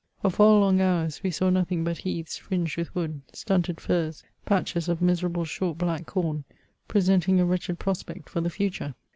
For four long hours, we «aw nothing hut heaths fiinged with wood, stunted furze, patches of miserahle short hlack C(Nm, presenting a wretched prospect for the future.